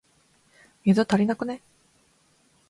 水、足りなくね？